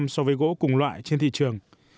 so với gỗ cùng loại trên thị trường